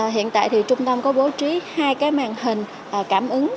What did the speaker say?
hiện tại thì trung tâm có bố trí hai cái màn hình cảm ứng